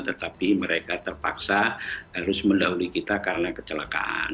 tetapi mereka terpaksa harus mendahului kita karena kecelakaan